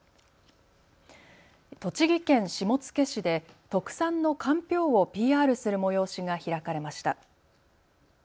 栃木県下野市で特産のかんぴょうをＰＲする催しが開かれました。